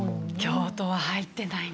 京都は入ってない。